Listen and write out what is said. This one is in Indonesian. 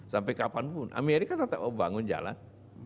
sampai kapanpun amerika tetap membangun jalan